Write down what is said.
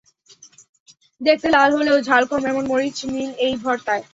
দেখতে লাল হলেও ঝাল কম এমন মরিচ নিন এই ভর্তায়।